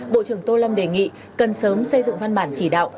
bộ trưởng tô lâm đề nghị cần sớm xây dựng văn bản chỉ đạo